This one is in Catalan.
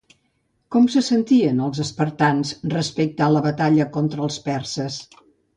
Com se sentien els espartans respecte a la batalla contra els perses?